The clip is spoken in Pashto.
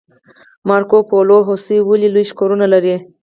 مارکوپولو هوسۍ ولې لوی ښکرونه لري؟